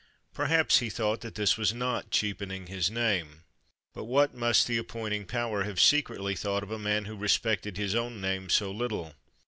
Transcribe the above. Perhaps he thought that this was not cheapening his name. But what must the appointing power have secretly thought of a man who respected his own name so little?